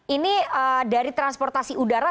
ini dari transportasi udara